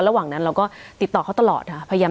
สวัสดีครับทุกผู้ชม